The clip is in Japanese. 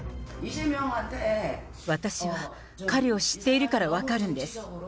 私は彼を知っているから分かるんです。